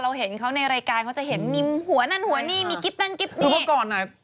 แล้วทุกคนต้องถามถึงแอ็งจี้ด้วย